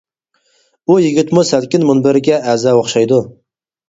ئۇ يىگىتمۇ سەلكىن مۇنبىرىگە ئەزا ئوخشايدۇ.